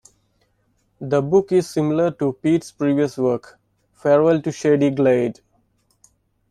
The book is similar to Peet's previous work "Farewell to Shady Glade".